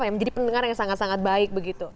yang menjadi pendengar yang sangat sangat baik begitu